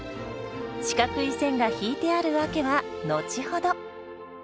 四角い線が引いてある訳は後ほど。